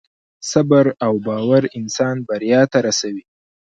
صبر او باور انسان بریا ته رسوي.